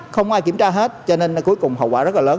không ai kiểm tra hết cho nên cuối cùng hậu quả rất là lớn